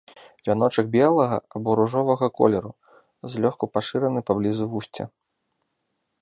Вяночак белага або ружовага колеру, злёгку пашыраны паблізу вусця.